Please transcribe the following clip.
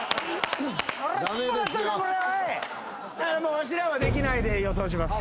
わしらはできないで予想します。